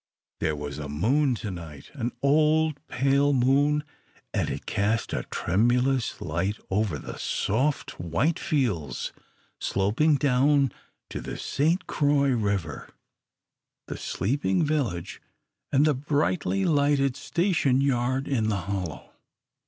There was a moon to night, an old, pale moon, and it cast a tremulous light over the soft, white fields sloping down to the Sainte Croix River, the sleeping village, and the brightly lighted station yard in the hollow.